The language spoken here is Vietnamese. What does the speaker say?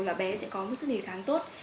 là bé sẽ có một sức đề kháng tốt